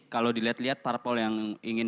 kalau dilihat lihat para pol yang ingin